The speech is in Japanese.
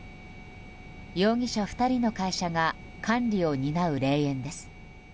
容疑者２人の会社が管理を担う霊園です。